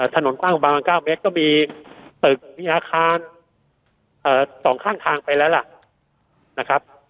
ถนนกว้างบาง๙เมตรก็มีตึกมีอาคาร๒ข้างทางไปแล้วล่ะนะครับ